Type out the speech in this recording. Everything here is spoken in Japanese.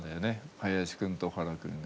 林君と小原君が。